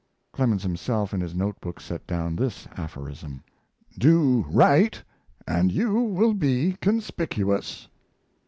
Clemens himself in his note book set down this aphorism: "Do right and you will be conspicuous."